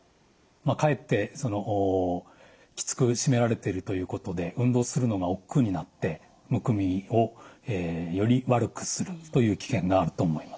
かえってきつく締められてるということで運動するのがおっくうになってむくみをより悪くするという危険があると思います。